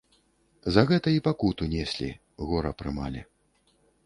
За гэта і пакуту неслі, гора прымалі.